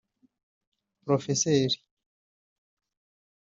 Professeur